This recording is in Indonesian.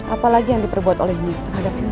apalagi yang diperbuat olehnya terhadap yunda